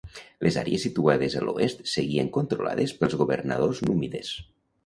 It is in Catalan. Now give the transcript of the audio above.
Les àrees situades a l'oest seguien controlades pels governadors númides.